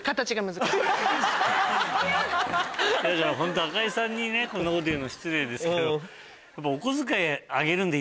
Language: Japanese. ホント赤井さんにねこんなこと言うの失礼ですけど。